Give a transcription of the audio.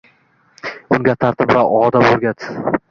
Unga tartib va odob o’rgat!